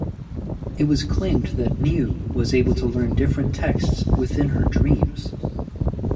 It was claimed that Niu was able to learn different texts within her dreams.